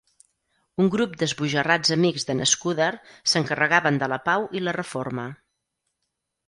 Un grup d'esbojarrats amics d'en Scudder s'encarregaven de la pau i la reforma.